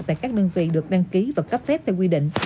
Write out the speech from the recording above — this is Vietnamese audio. tại các đơn vị được đăng ký và cấp phép theo quy định